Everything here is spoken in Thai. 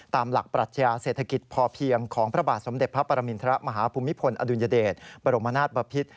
ตามหลักปรัชญาเศรษฐกิจพอเพียงของพระบาทสมเด็จพระปรมินทรมาฮภูมิพลอดุลยเดชบรมนาศบพิษ